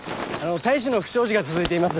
隊士の不祥事が続いています。